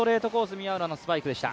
宮浦のスパイクでした。